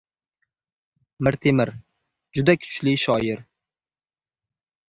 Mirtemir juda kuchli shoir.